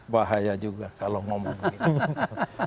bahaya juga kalau ngomong begitu